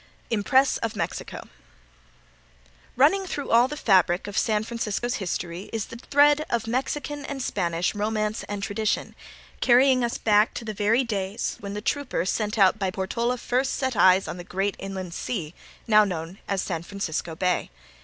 Impress of Mexico Running through all the fabric of San Francisco's history is the thread of Mexican and Spanish romance and tradition, carrying us back to the very days when the trooper sent out by Portola first set eyes on the great inland sea now known as San Francisco Bay.